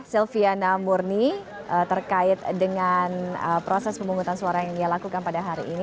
sylvia namurni terkait dengan proses pemungutan suara yang dia lakukan pada hari ini